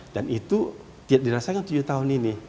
dan itu dirasakan tujuh tahun ini